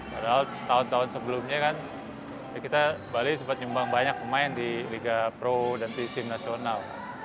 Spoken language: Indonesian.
padahal tahun tahun sebelumnya kan kita bali sempat nyumbang banyak pemain di liga pro dan di tim nasional